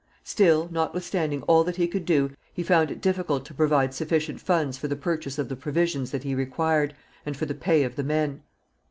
Still, notwithstanding all that he could do, he found it difficult to provide sufficient funds for the purchase of the provisions that he required, and for the pay of the men.